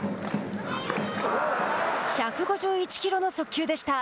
１５１キロの速球でした。